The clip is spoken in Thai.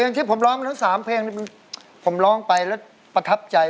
ที่ผมร้องมาทั้ง๓เพลงผมร้องไปแล้วประทับใจ